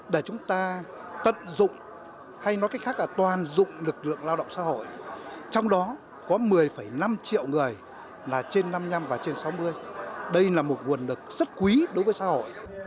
để chúng ta tận dụng hay nói cách khác là toàn dụng lực lượng lao động xã hội trong đó có một mươi năm triệu người là trên năm mươi năm và trên sáu mươi đây là một nguồn lực rất quý đối với xã hội